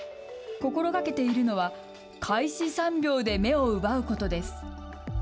心がけているのは、開始３秒で目を奪うことです。